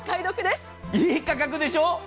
いい価格でしょう？